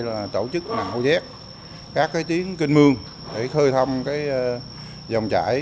là tổ chức mô chép các tiến kinh mương để khơi thăm dòng chải